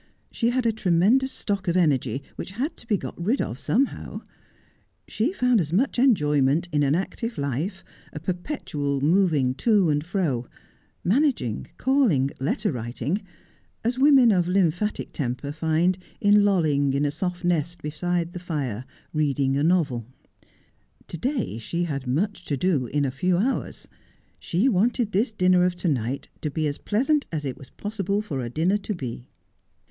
She had a tremendous stock of energy which had to be got rid of somehow. She found as much enjoy ment in an active life, a perpetual moving to and fro — managing, calling, letter writing — as women of lymphatic temper find in lolling in a soft nest beside the fire, reading a novel. To day she had much to do in a few hours. She wanted this dinner of to night to be as pleasant as it was possible for a dinner to be.